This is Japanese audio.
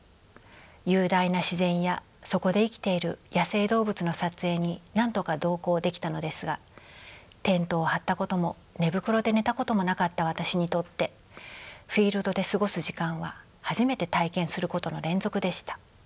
雄大な自然やそこで生きている野生動物の撮影に何度か同行できたのですがテントを張ったことも寝袋で寝たこともなかった私にとってフィールドで過ごす時間は初めて体験することの連続でした。